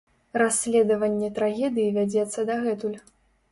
Расследаванне трагедыі вядзецца дагэтуль.